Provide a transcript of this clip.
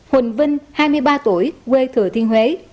huỳnh vinh hai mươi ba tuổi quê thừa thiên huế